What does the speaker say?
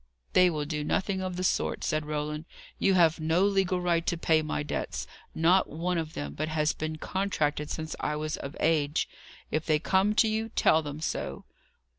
"They will do nothing of the sort," said Roland. "You have no legal right to pay my debts. Not one of them but has been contracted since I was of age. If they come to you, tell them so."